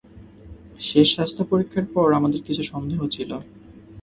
শেষ স্বাস্থ্য পরীক্ষার পর আমাদের কিছু সন্দেহ ছিল।